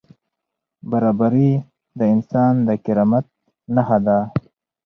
برابري د انسان د کرامت نښه ده.